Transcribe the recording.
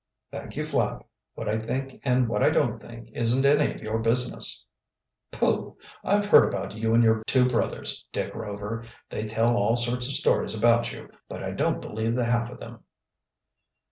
"Thank you, Flapp, what I think and what I don't think isn't any of your business." "Pooh! I've heard about you and your two brothers, Dick Rover. They tell all sorts of stories about you, but I don't believe the half of them."